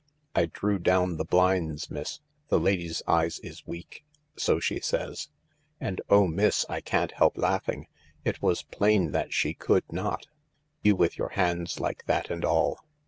" I drew down the blinds, miss : the lady's eyes is weak — so she says. And oh, miss, I can't help laughing [" It was plain that she could not. " You with your hands like that and all.